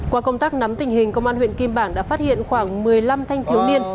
qua công tác nắm tình hình công an huyện kim bảng đã phát hiện khoảng một mươi năm thanh thiếu niên